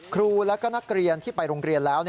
ครูและก็นักเรียนที่ไปโรงเรียนแล้ว